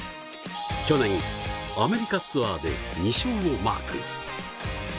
去年、アメリカツアーで２勝をマーク。